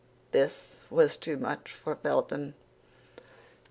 This was too much for Felton.